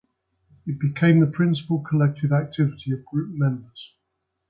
It became the principal collective activity of group members.